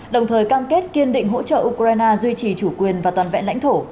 đồng thời cam kết kiên định hỗ trợ ukraine duy trì chủ quyền và toàn vẹn lãnh thổ